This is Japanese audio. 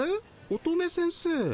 乙女先生。